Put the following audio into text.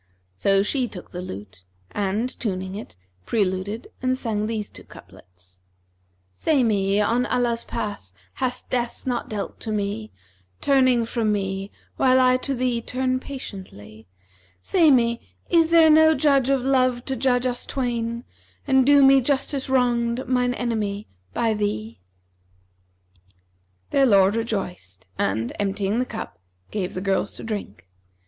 So she took the lute; and, tuning it, preluded and sang these two couplets, 'Say me, on Allah's path[FN#351] hast death not dealt to me, * Turning from me while I to thee turn patiently: Say me, is there no judge of Love to judge us twain, * And do me justice wronged, mine enemy, by thee?' Their lord rejoiced and, emptying the cup, gave the girls to drink.